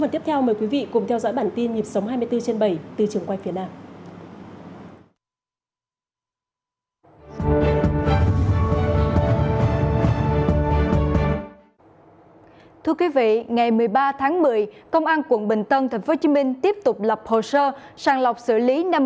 thưa quý vị ngày một mươi ba tháng một mươi công an quận bình tân tp hcm tiếp tục lập hồ sơ sàng lọc xử lý